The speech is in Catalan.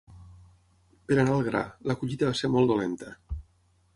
Per anar al gra, la collita va ser molt dolenta.